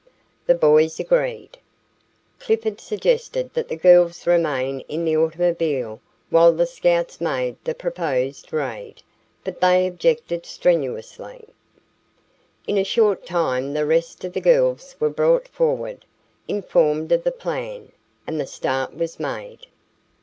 The boys agreed. Clifford suggested that the girls remain in the automobile while the Scouts made the proposed raid, but they objected strenuously. In a short time the rest of the girls were brought forward, informed of the plan, and the start was made.